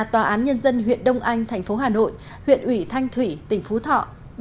tòa án nhân dân huyện đông anh thành phố hà nội huyện ủy thanh thủy tỉnh phú thọ